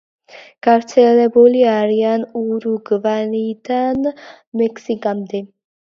გავრცელებულნი არიან ურუგვაიდან მექსიკამდე.